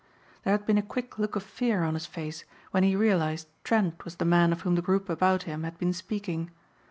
There had been a quick look of fear on his face when he realized Trent was the man of whom the group about him had been speaking.